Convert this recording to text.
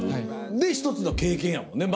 で一つの経験やもんね